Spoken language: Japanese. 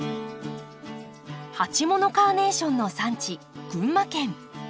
鉢物カーネーションの産地群馬県。